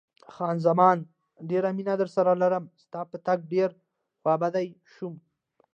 خان زمان: ډېره مینه درسره لرم، ستا په تګ ډېره خوابدې شوم.